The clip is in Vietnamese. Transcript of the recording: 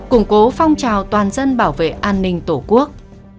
củng cố phong trào toàn dân bảo vệ an ninh tổ quốc